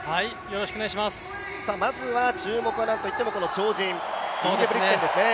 まずは注目はなんといっても超人インゲブリクセンですね。